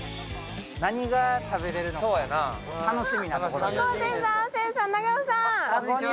何が食べれるのか楽しみ。